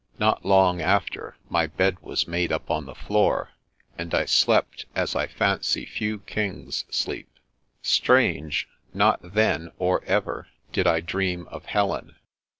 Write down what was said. Not long after, my bed was made up on the floor, and I slept as I fancy few kings sleep. Strange ; not then, or ever, did I dream of Helen.